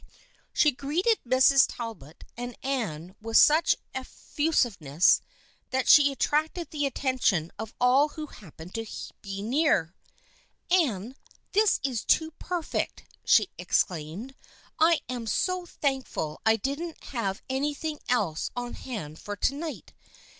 She greeted Mrs. Talbot and Anne with such ef fusiveness that she attracted the attention of all who happened to be near. " Anne, this is too perfect !" she exclaimed. " I am so thankful I didn't have anything else on hand for to night.